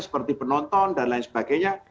seperti penonton dan lain sebagainya